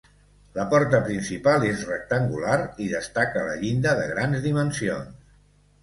La porta principal és rectangular i destaca la llinda de grans dimensions.